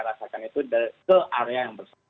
rasakan itu ke area yang